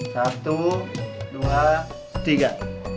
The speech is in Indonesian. satu dua tiga